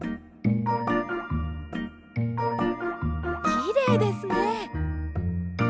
きれいですね。